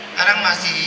sekarang masih non oran